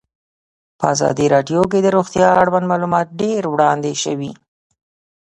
په ازادي راډیو کې د روغتیا اړوند معلومات ډېر وړاندې شوي.